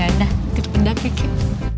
ya udah tidur pendek ya kek